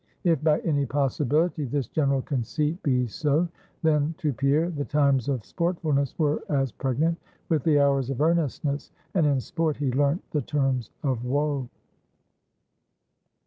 If, by any possibility, this general conceit be so, then to Pierre the times of sportfulness were as pregnant with the hours of earnestness; and in sport he learnt the terms of woe.